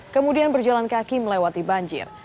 kemudian berjalan kaki melewati banjir